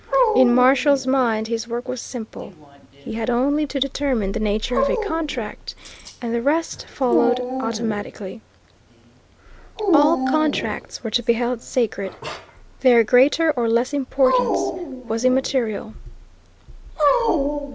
In Marshall's mind his work was simple. He had only to determine the nature of a contract, and the rest followed automatically. All contracts were to be held sacred. Their greater or less importance was immaterial.